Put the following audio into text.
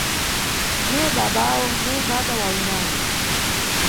Ne babawo, ne baba wa winango.